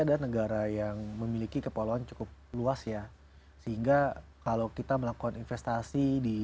daerah yang memiliki keperluan cukup luas ya sehingga kalau kita melakukan investasi di